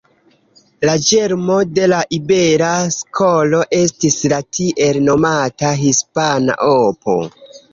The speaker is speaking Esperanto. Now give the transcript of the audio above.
La ĝermo de la Ibera Skolo estis la tiel nomata Hispana Opo.